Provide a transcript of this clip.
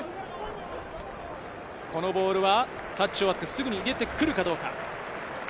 このボールはタッチを割ってすぐに出てくるかどうか。